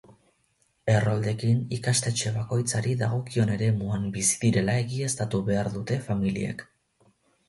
Erroldekin ikastetxe bakoitzari dagokion eremuan bizi direla egiaztatu behar dute familiek.